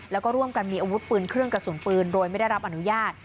แล้วก็ร่วมกันมีอาวุธปืนเครื่องกระสุนปืนโดยไม่ได้รับอนุญาต